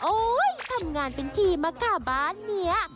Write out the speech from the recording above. โอ๊ยทำงานเป็นทีมาค่ะบ้านเนี้ย